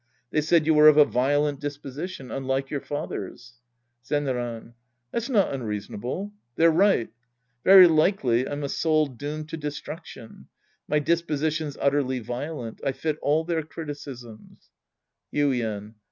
They said you were of a violent disposition, unlike your father's. Zenran. That's not unreasonable. They're right. Very likely, I'm a soul doomed to destruction. My disposition's utterly violent. I fit all their criticisms. Yuien.